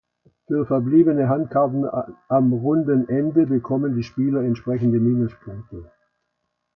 Für verbliebene Handkarten am Rundenende bekommen die Spieler entsprechende Minuspunkte.